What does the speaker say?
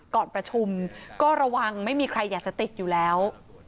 ก่อนประชุมก็ระวังไม่มีใครอยากจะติดอยู่แล้ว